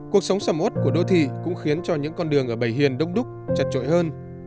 cuộc sống sầm ốt của đô thị cũng khiến cho những con đường ở bảy hiền đông đúc chật trội hơn